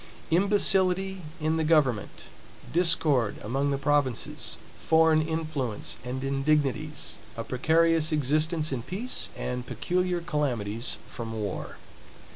Imbecility in the government; discord among the provinces; foreign influence and indignities; a precarious existence in peace, and peculiar calamities from war.